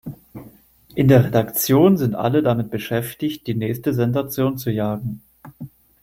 In der Redaktion sind alle damit beschäftigt, die nächste Sensation zu jagen.